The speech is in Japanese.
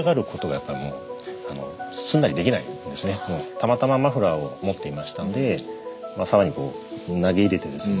たまたまマフラーを持っていましたんで沢に投げ入れてですね